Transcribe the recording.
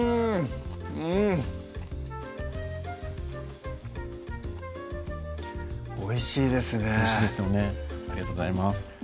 うんおいしいですねおいしいですよねありがとうございます